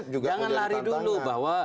jangan lari dulu bahwa